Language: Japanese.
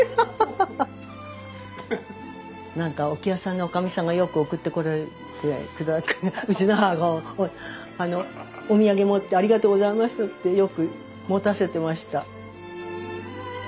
何か置屋さんの女将さんがよく送って来られてうちの母がお土産を持って「ありがとうございました」ってよく持たせてました。